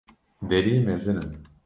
Derî mezin in